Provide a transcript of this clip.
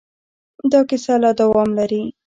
دا کیسه لا دوام لري.